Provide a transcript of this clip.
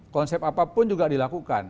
konsep apapun juga dilakukan